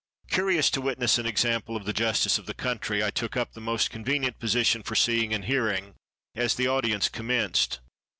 Curious to witness an example of the justice of the country, I took up the most convenient position for see ing and hearing, as the audience commenced.